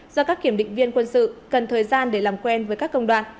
do các kiểm định viên quân sự cần thời gian để làm quen với các công đoạn